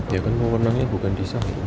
ya kan warnanya bukan bisa